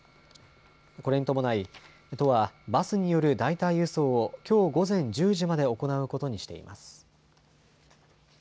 これに伴い都はバスによる代替輸送をきょう午前１０時まで行うことにしています。